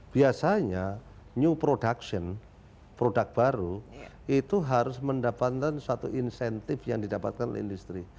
biasanya new production produk baru itu harus mendapatkan suatu insentif yang didapatkan oleh industri